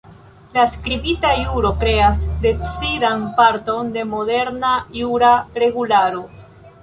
La skribita juro kreas decidan parton de moderna jura regularo.